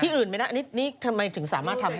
อื่นไม่ได้อันนี้ทำไมถึงสามารถทำ